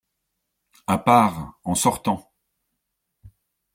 À part, en sortant.